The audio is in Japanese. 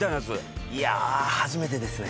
いや初めてですね。